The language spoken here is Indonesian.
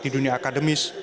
di dunia akademis